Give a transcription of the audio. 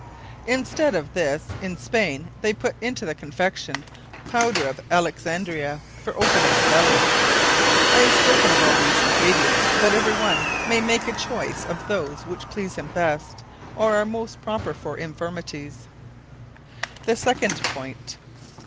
In stead of this, in Spaine they put into the Confection, powder of Alexandria, for opening the Belly. I have spoken of all these Ingredients, that every one may make choise of those which please him best, or are most proper for infirmities. _The second Point.